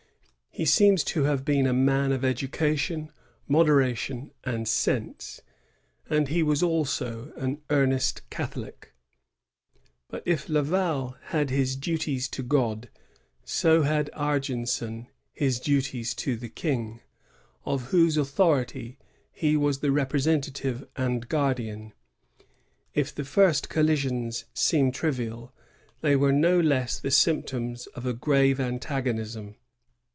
He seems to have been a man of education, modera tion, and sense, and he was also an earnest Catholic; but if Laval had his duties to God, so had Argenson his duties to the King, of whose authority he was the representative and guardian. If the first col lisions seem trivial, they were no less the symptoms of a grave antagonism.